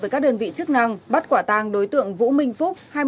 với các đơn vị chức năng bắt quả tang đối tượng vũ minh phúc